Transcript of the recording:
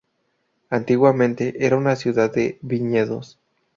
Antiguamente, era una ciudad de viñedos.